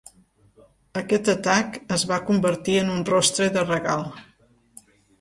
Aquest atac es va convertir en un rostre de regal.